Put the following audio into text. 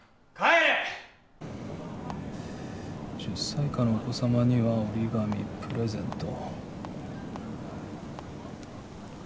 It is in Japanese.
「１０歳以下のお子様には折り紙プレゼント」